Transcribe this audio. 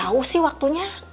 enggak jauh sih waktunya